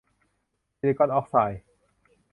ซิลิกอนออกไซด์